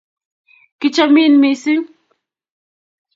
Kichamin missing